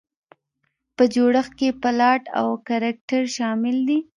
په جوړښت کې یې پلاټ او کرکټر شامل دي.